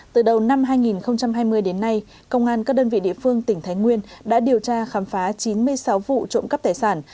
từ đầu năm hai nghìn hai mươi đến nay công an các đơn vị địa phương tỉnh thái nguyên đã điều tra khám phá chín mươi sáu vụ trộm cắp tài sản